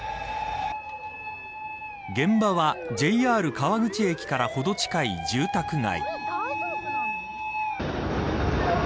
現場は、ＪＲ川口駅からほど近い住宅街。